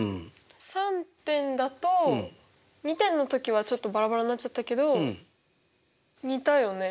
３点だと２点のときはちょっとバラバラになっちゃったけど似たよね？